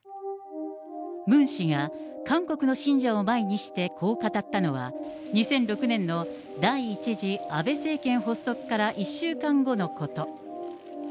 ムン氏が韓国の信者を前にしてこう語ったのは、２００６年の第１次安倍政権発足から１週間後のこと。